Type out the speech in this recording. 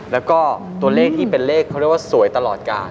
แล้วก็ตัวเลขที่เป็นเลขเขาเรียกว่าสวยตลอดกาล